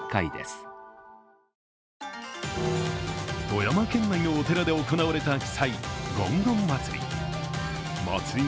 富山県内のお寺で行われた奇祭、ごんごん祭り。